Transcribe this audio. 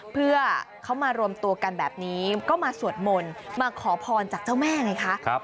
เพื่อเขามารวมตัวกันแบบนี้ก็มาสวดมนต์มาขอพรจากเจ้าแม่ไงคะ